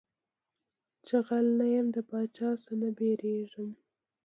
چي غل نه يم د باچا څه نه بيرېږم.